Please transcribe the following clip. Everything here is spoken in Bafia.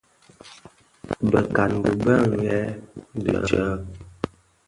Bekangi bëdhen dhi tsè?